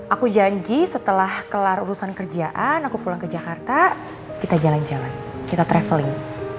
aku janji setelah kelar urusan kerjaan aku pulang ke jakarta kita jalan jalan kita traveling